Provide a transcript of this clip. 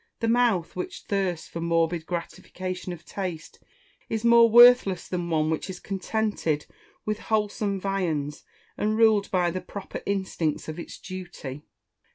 The Mouth which thirsts for morbid gratification of taste, is more worthless than one which is contented with wholesome viands, and ruled by the proper instincts of its duty.